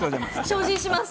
精進します。